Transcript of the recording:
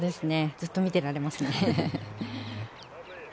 ずっと見てられますね。